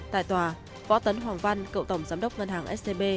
tại tòa võ tấn hoàng văn cựu tổng giám đốc ngân hàng scb